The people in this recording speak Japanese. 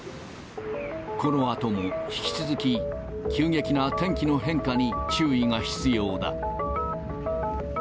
このあとも引き続き、急激な天気の変化に注意が必要だ。